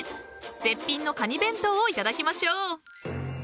［絶品のカニ弁当をいただきましょう］